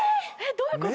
どういうこと？